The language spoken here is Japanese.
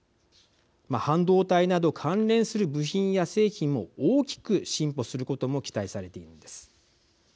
半導体など関連する部品や製品も大きく進歩することも期待されています。